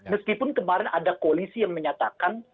meskipun kemarin ada koalisi yang menyatakan